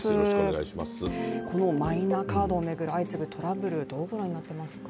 このマイナカードを巡る相次ぐトラブルどうご覧になっていますか？